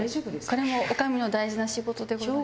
これも女将の大事な仕事でございます。